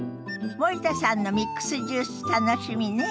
森田さんのミックスジュース楽しみね。